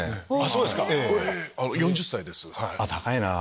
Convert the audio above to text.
４０歳です。